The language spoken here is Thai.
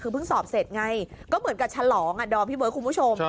คือเพิ่งสอบเสร็จไงก็เหมือนกับฉลองอ่ะดอมพี่เบิร์ดคุณผู้ชม